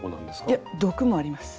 いや毒もあります。